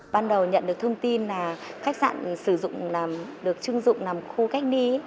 ban đầu nhận được thông tin là khách sạn được chưng dụng làm khu cách ly